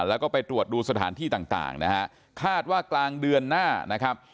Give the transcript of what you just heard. แล้วก็ไปตรวจดูสถานที่ต่างนะฮะคาดว่ากลางเดือนหน้านะครับ